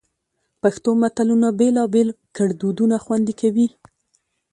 پښتو متلونه بېلابېل ګړدودونه خوندي کوي